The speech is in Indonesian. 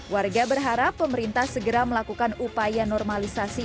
warga berharap pemerintah segera melakukan upaya normalisasi